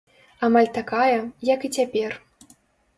Амаль такая, як і цяпер.